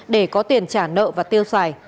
để có tiền trả nợ và tiêu xài